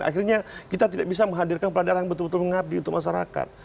akhirnya kita tidak bisa menghadirkan kepala daerah yang betul betul mengabdi untuk masyarakat